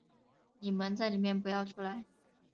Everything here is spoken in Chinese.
你们在里面不要出来